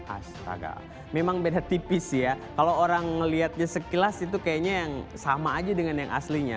asraga memang beda tipis ya kalau orang melihatnya sekilas itu kayaknya yang sama aja dengan yang aslinya